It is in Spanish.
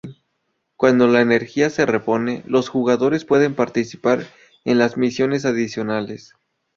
Cuando la energía se repone, los jugadores pueden participar en las misiones adicionales.